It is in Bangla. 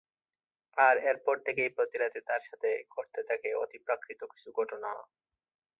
আর এরপর থেকেই প্রতি রাতে তার সাথে ঘটতে থাকে অতিপ্রাকৃত কিছু ঘটনা।